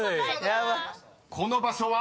［この場所は？